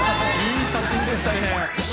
いい写真でしたね。